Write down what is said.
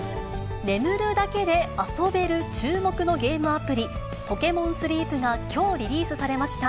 眠るだけで遊べる注目のゲームアプリ、ポケモンスリープがきょう、リリースされました。